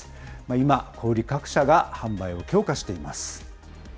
今、小売り各社が販売を強化しています。